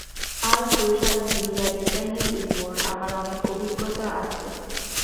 আর social media ডিজাইনের ওপর আমার অনেক অভিজ্ঞতা আছে।